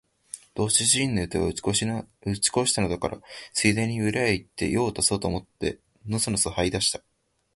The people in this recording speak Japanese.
どうせ主人の予定は打ち壊したのだから、ついでに裏へ行って用を足そうと思ってのそのそ這い出した